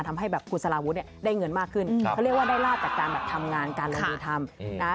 ทำให้แบบคุณสารวุฒิเนี่ยได้เงินมากขึ้นเขาเรียกว่าได้ลาบจากการแบบทำงานการลงมือทำนะ